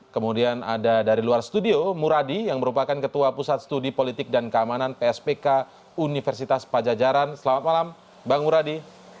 kemudian ada dari luar studio muradi yang merupakan ketua pusat studi politik dan keamanan pspk universitas pajajaran selamat malam bang muradi